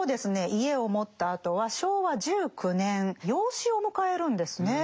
家を持ったあとは昭和１９年養子を迎えるんですね。